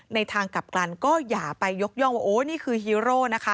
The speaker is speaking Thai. ในทางกลับกลับกันก็อย่าไปยกย่องว่านี่คือฮีโร่